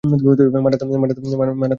মানাত আবার কি বলবে?